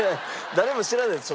誰も知らないです